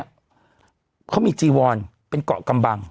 อเจมส์เขามีจีวรเป็นเกาะกำบัง